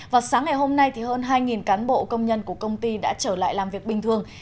và sáng ngày hôm nay thì hơn hai cán bộ công nhân của công ty đã trở lại làm việc bình thường